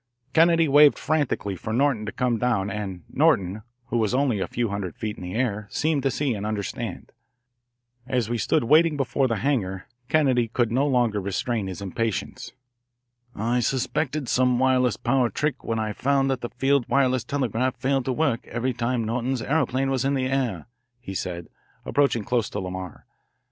Kennedy waved frantically for Norton to come down, and Norton, who was only a few hundred feet in the air, seemed to see and understand. As we stood waiting before the hangar Kennedy could no longer restrain his impatience. "I suspected some wireless power trick when I found that the field wireless telegraph failed to work every time Norton's aeroplane was in the air," he said, approaching close to Lamar.